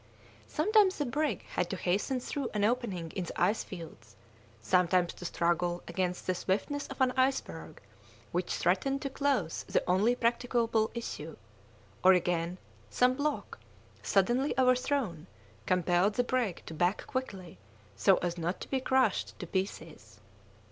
Sometimes the brig had to hasten through an opening in the ice fields, sometimes to struggle against the swiftness of an iceberg which threatened to close the only practicable issue, or, again, some block, suddenly overthrown, compelled the brig to back quickly so as not to be crushed to pieces.